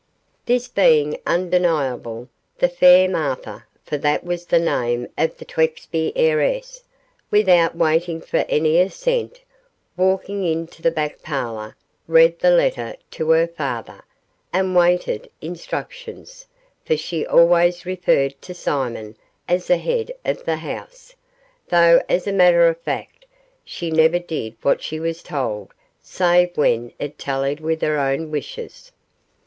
This being undeniable, the fair Martha for that was the name of the Twexby heiress without waiting for any assent, walking into the back parlour, read the letter to her father, and waited instructions, for she always referred to Simon as the head of the house, though as a matter of fact she never did what she was told save when it tallied with her own wishes.